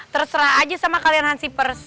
terserah aja sama kalian hansi pers